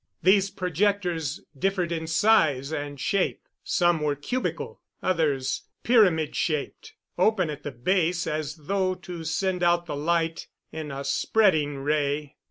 These projectors differed in size and shape. Some were cubical, others pyramid shaped, open at the base as though to send out the light in a spreading ray.